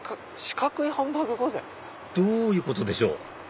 どういうことでしょう？